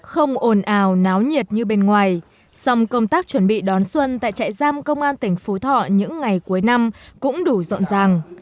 không ồn ào náo nhiệt như bên ngoài song công tác chuẩn bị đón xuân tại trại giam công an tỉnh phú thọ những ngày cuối năm cũng đủ rộn ràng